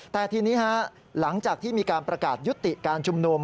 แต่ทีนี้หลังจากที่มีการประกาศยุติการชุมนุม